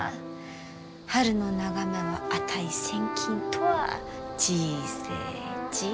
春の眺めは価千金とは小せえ小せえ。